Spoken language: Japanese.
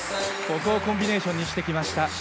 ここをコンビネーションにしてきました。